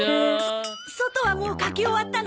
そ外はもう描き終わったの？